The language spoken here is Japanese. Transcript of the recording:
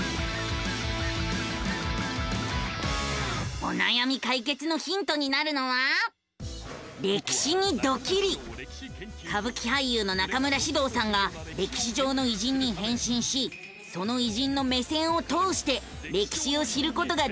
おなやみ解決のヒントになるのは歌舞伎俳優の中村獅童さんが歴史上の偉人に変身しその偉人の目線を通して歴史を知ることができる番組なのさ！